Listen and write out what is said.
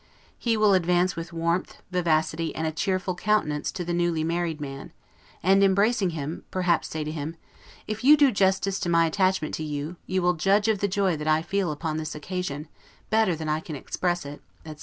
He will advance with warmth, vivacity, and a cheerful countenance, to the new married man, and embracing him, perhaps say to him, "If you do justice to my attachment to you, you will judge of the joy that I feel upon this occasion, better than I can express it," etc.